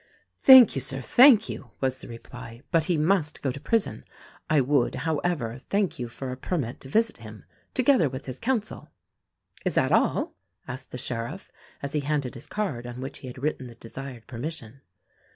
"Thank you, Sir, thank you," was the reply; "but he must go to prison. I would, however, thank you for a permit to visit him — together with his counsel." "Is that all?" asked the sheriff as he handed his card on which he had written the desired permission.